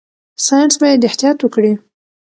ساينس باید احتیاط وکړي.